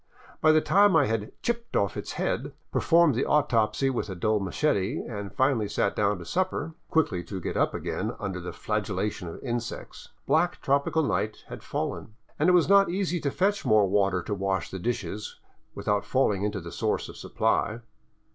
By the time I had " chipped " off its head, performed the autopsy with a dull machete, and finally sat down to supper — quickly to get up again under the flagellation of insects — black tropical night had fallen, and it was not easy to fetch more water to wash the dishes, without falling into the source of supply.